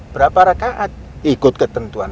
berapa rakaat ikut ketentuan